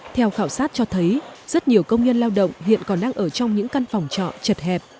theo khảo sát cho thấy rất nhiều công nhân lao động hiện còn đang ở trong những căn phòng trọ chật hẹp